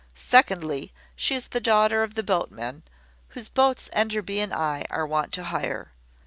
Secondly, she is the daughter of the boatman whose boats Enderby and I are wont to hire.